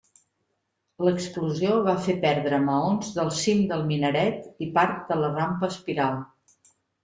L'explosió va fer perdre maons del cim del minaret i part de la rampa espiral.